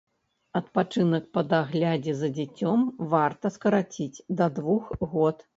Адпачынак па даглядзе за дзіцем варта скараціць да двух год.